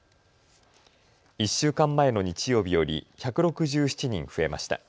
１週間前の日曜日より１６７人増えました。